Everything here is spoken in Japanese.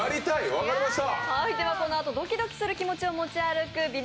分かりました。